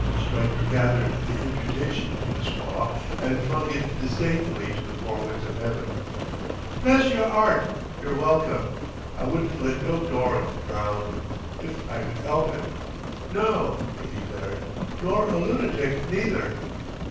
Stryker gathered the imputation into his paw and flung it disdainfully to the four winds of Heaven. "Bless yer 'art, you're welcome; I wouldn't let no dorg drownd, 'f I could 'elp it. No," he declared, "nor a loonatic, neither."